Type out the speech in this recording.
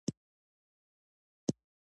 یوولسم څپرکی د سپېڅلې کړۍ په اړه معلومات لري.